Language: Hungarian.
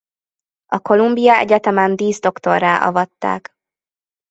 A Columbia Egyetemen díszdoktorrá avatták.